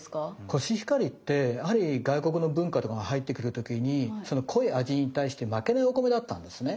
コシヒカリってやはり外国の文化とかが入ってくる時にその濃い味に対して負けないお米だったんですね。